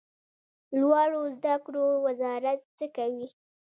لوړو زده کړو وزارت څه کوي؟